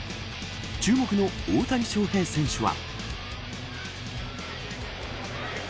注目の大谷翔平選手は。